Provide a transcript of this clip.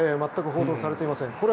全く報道されていません。